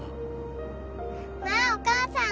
わあお母さん